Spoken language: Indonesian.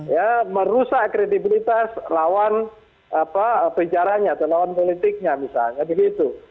ya merusak kredibilitas lawan penjaranya atau lawan politiknya misalnya begitu